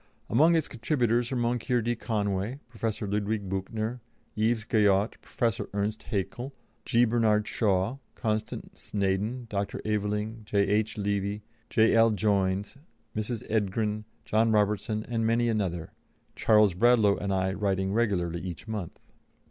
Among its contributors were Moncure D. Conway, Professor Ludwig Büchner, Yves Guyot, Professor Ernst Haeckel, G. Bernard Shaw, Constance Naden, Dr. Aveling, J.H. Levy, J.L. Joynes, Mrs. Edgren, John Robertson, and many another, Charles Bradlaugh and I writing regularly each month.